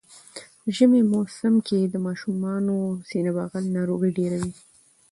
ژمی موسم کی د ماشومانو سینه بغل ناروغی ډیره وی